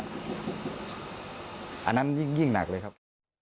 อันนั้นยิ่งหนักเลยครับ